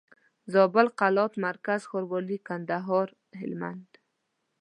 زابل قلات مرکز ښاروالي کندهار هلمند